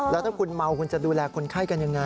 แล้วถ้าคุณเมาคุณจะดูแลคนไข้กันยังไง